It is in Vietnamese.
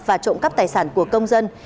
và trộm cắp tài sản của công dân